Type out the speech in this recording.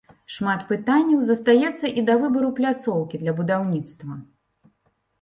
Шмат пытанняў застаецца і да выбару пляцоўкі для будаўніцтва.